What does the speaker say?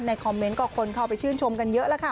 คอมเมนต์ก็คนเข้าไปชื่นชมกันเยอะแล้วค่ะ